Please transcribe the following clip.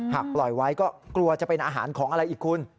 ปล่อยไว้ก็กลัวจะเป็นอาหารของอะไรอีกคุณ